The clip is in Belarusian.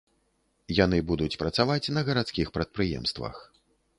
Яны будуць працаваць на гарадскіх прадпрыемствах.